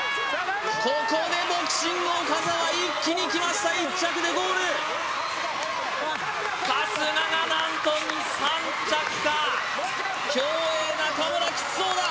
ここでボクシング・岡澤一気にきました１着でゴール春日が何と３着か競泳・中村キツそうだ